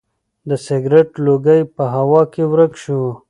د سګرټ لوګی په هوا کې ورک شو.